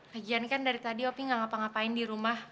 kajian kan dari tadi opi gak ngapa ngapain di rumah